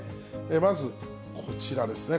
まず、こちらですね。